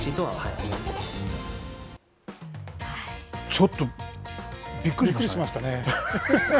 ちょっと、びっくりしましたね。